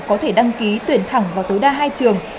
có thể đăng ký tuyển thẳng vào tối đa hai trường